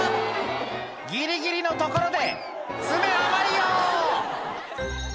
ギリギリのところで詰め甘いよ！